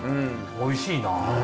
おいしいな。